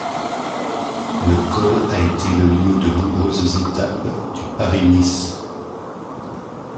Le col a été le lieu de nombreuses étapes du Paris-Nice.